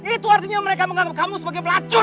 itu artinya mereka menganggap kamu sebagai pelacur